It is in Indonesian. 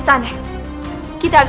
jselua kau bukan bukan itu